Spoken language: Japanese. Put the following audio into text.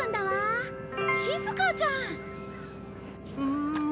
うん！